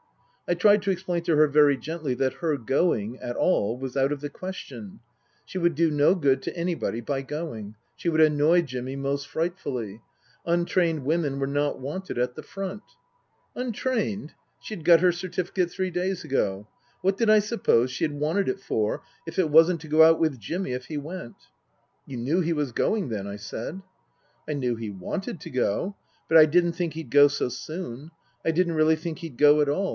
I tried to explain to her very gently that her going at all was out of the question. She would do no good to anybody by going ; she would annoy Jimmy most fright fully ; untrained women were not wanted at the front. Untrained ? She had got her certificate three days ago. What did I suppose she had wanted it for if it wasn't to go out with Jimmy if he went ?' You knew he was going, then ?" I said. " I knew he wanted to go. But I didn't think he'd go so soon. I didn't really think he'd go at all.